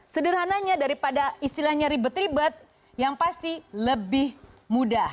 sederhananya daripada istilahnya ribet ribet yang pasti lebih mudah